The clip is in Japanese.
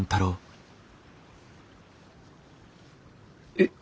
えっ？